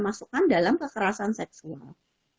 masukkan dalam kekerasan seksual